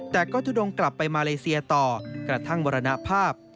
แต่ก็ทุดงกลับไปมาเลเซียต่อกระทั่งมรณภาพ